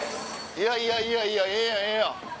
いやいやいやいやええやんええやん。